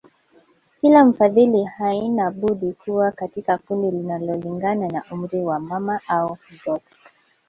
Kila mfadhili haina budi kuwa katika kundi linalolingana na umri wa mama au mtoto